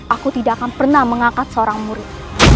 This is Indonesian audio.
aku tidak akan pernah mengangkat seorang murid